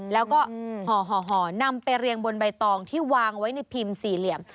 แล้วก็ห่อนำไปเรียงบนใบตองที่วางไว้ในพิมพ์สี่เหลี่ยม